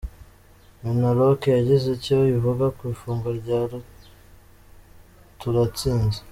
Minaloke yagize icyo ivuga ku ifungwa rya Turatsinze